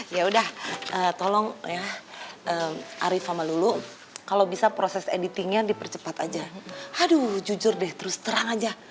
yaudah kalau gitu maksudnya jadi jadi gue setuju